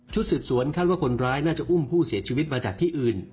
สืบสวนคาดว่าคนร้ายน่าจะอุ้มผู้เสียชีวิตมาจากที่อื่น